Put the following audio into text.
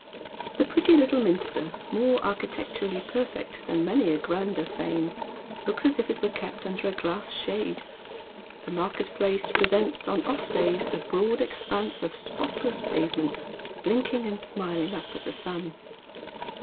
The pretty little minster, more architecturally perfect than many a grander fane, looks as if it were kept under a glass shade. The market place presents on off days a broad expanse of spotless pavement blinking and smiling up at the sun.